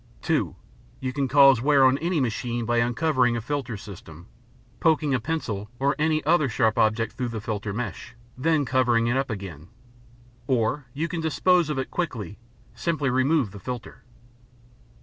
(2) You can cause wear on any machine by uncovering a filter system, poking a pencil or any other sharp object through the filter mesh, then covering it up again. Or, if you can dispose of it quickly, simply remove the filter.